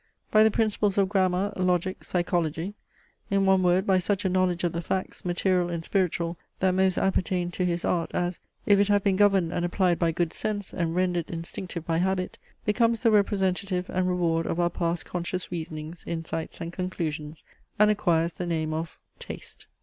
By the principles of grammar, logic, psychology. In one word by such a knowledge of the facts, material and spiritual, that most appertain to his art, as, if it have been governed and applied by good sense, and rendered instinctive by habit, becomes the representative and reward of our past conscious reasonings, insights, and conclusions, and acquires the name of Taste.